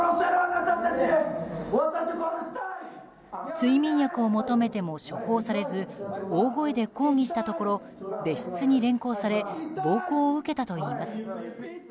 睡眠薬を求めても処方されず大声で抗議したところ別室に連行され暴行を受けたといいます。